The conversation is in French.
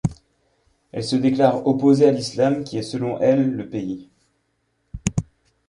Elle se déclare opposée à l'islam, qui est selon elle le pays.